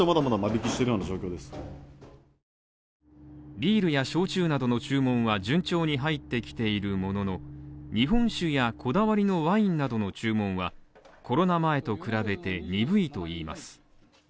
ビールや焼酎などの注文は順調に入ってきているものの、日本酒やこだわりのワインなどの注文はコロナ前と比べて鈍いといいます。